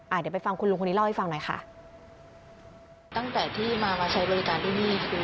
เดี๋ยวไปฟังคุณลุงคนนี้เล่าให้ฟังหน่อยค่ะตั้งแต่ที่มามาใช้บริการที่นี่คือ